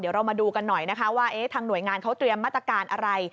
เดี๋ยวเรามาดูกันหน่อยนะคะว่าทางหน่วยงานเขาเตรียมมาตรการอะไร